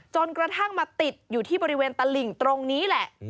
จนกระทั่งมาติดอยู่ที่บริเวณตลิ่งตรงนี้แหละ